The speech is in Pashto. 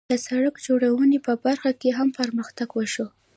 د سړک جوړونې په برخه کې هم پرمختګ وشو.